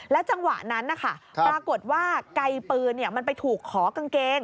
จังหวะนั้นนะคะปรากฏว่าไกลปืนมันไปถูกขอกางเกง